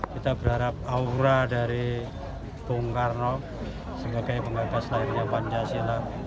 kita berharap aura dari bung karno sebagai pembatas lahirnya pancasila